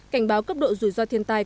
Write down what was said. cảnh báo cấp độ rủi ro thiên tai cấp một